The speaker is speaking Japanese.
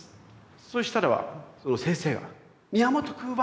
そうしたらばその先生が「宮本君は」